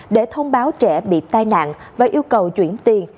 để thông báo trẻ bị tai nạn và yêu cầu chuyển tiền